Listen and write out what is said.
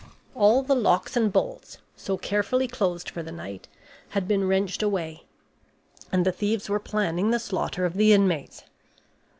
All the locks and bolts, so carefully closed for the night, had been wrenched away, and the thieves were planning the slaughter of the inmates.